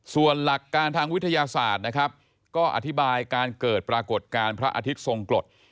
ส่วนหลักการทางวิทยาศาสตร์นะครับก็อธิบายการเกิดปรากฏการณ์พระอาทิตย์ทรงกฎ